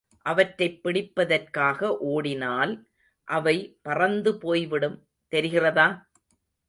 அவற்றைப் பிடிப்பதற்காக ஓடினால் அவை பறந்து போய்விடும், தெரிகிறதா?